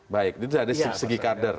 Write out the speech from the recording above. baik itu dari segi kader